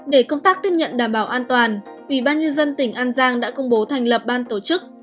để công tác tiếp nhận đảm bảo an toàn vì bao nhiêu dân tỉnh an giang đã công bố thành lập ban tổ chức